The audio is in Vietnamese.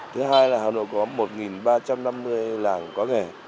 thứ hai là hà nội có một ba trăm năm mươi làng có nghề